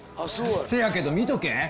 せやけど見とけ！